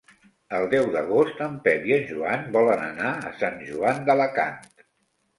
El deu d'agost en Pep i en Joan volen anar a Sant Joan d'Alacant.